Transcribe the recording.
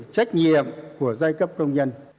trách nhiệm của giai cấp công nhân